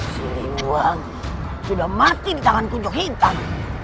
si limuang sudah mati di tangan kunjung hitam